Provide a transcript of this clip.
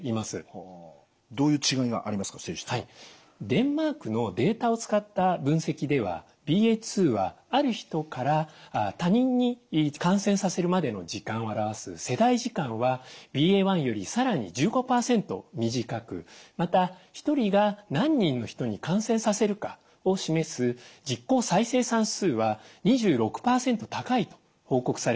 デンマークのデータを使った分析ではＢＡ．２はある人から他人に感染させるまでの時間を表す世代時間はＢＡ．１よりさらに１５％短くまた一人が何人の人に感染させるかを示す実効再生産数は２６％高いと報告されています。